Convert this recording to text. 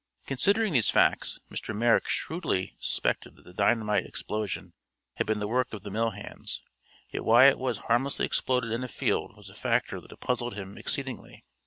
Considering these facts, Mr. Merrick shrewdly suspected that the dynamite explosion had been the work of the mill hands, yet why it was harmlessly exploded in a field was a factor that puzzled him exceedingly.